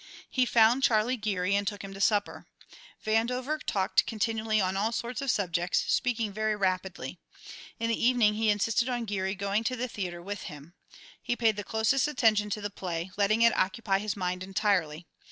He found Charlie Geary and took him to supper. Vandover talked continually on all sorts of subjects, speaking very rapidly. In the evening he insisted on Geary going to the theatre with him. He paid the closest attention to the play, letting it occupy his mind entirely.